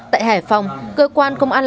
tại hải phòng cơ quan công an